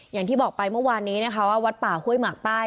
อย่างที่บอกไปเมื่อวานนี้นะคะว่าวัดป่าห้วยหมากใต้